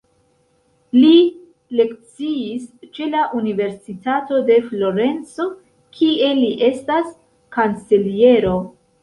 Li lekciis ĉe la Universitato de Florenco, kie li estas kanceliero.